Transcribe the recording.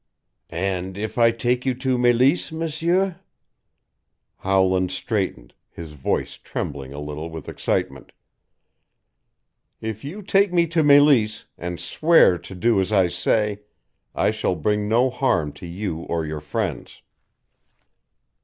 "And if I take you to Meleese, M'seur?" Howland straightened, his voice trembling a little with excitement. "If you take me to Meleese, and swear to do as I say, I shall bring no harm to you or your friends."